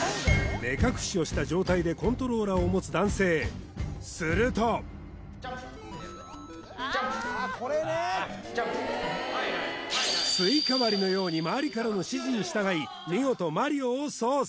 目隠しをした状態でコントローラーを持つ男性するとスイカ割りのように周りからの指示に従い見事マリオを操作